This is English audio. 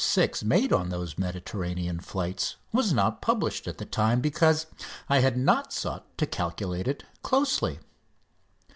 6" made on those Mediterranean flights was not published at the time because I had not sought to calculate it closely.